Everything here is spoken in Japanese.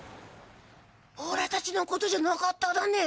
おらたちのことじゃなかっただね。